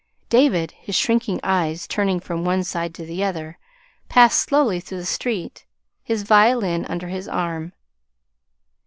David, his shrinking eyes turning from one side to the other, passed slowly through the street, his violin under his arm.